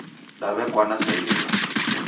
Daw'ekwana sa ilinga?